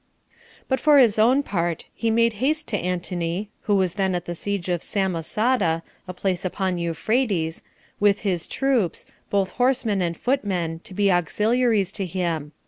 8. But for his own part, he made haste to Antony [who was then at the siege of Samosata, a place upon Euphrates] with his troops, both horsemen and footmen, to be auxiliaries to him.